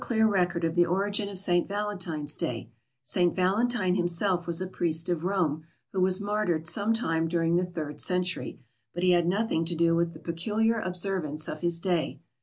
There is no clear record of the origin of St. Valentine's Day. St. Valentine himself was a priest of Rome who was martyred some time during the third century, but he had nothing to do with the peculiar observance of his day.